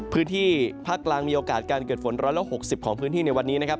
พื้นที่ภาคกลางมีโอกาสการเกิดฝน๑๖๐ของพื้นที่ในวันนี้นะครับ